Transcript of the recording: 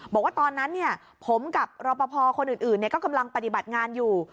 บอกว่าตอนนั้นผมกับรอปภคนอื่นก็กำลังปฏิบัติงานอยู่